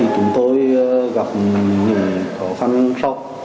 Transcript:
chúng tôi gặp nhiều khó khăn sau